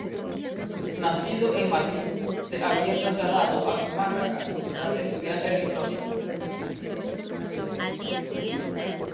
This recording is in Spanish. Nacido en Madrid, se había trasladado a Zumárraga tras estudiar electrónica.